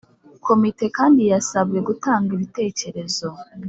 komite kandi yasabwe gutanga ibitekerezo